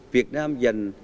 việt nam dành